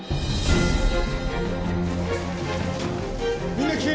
みんな聞け。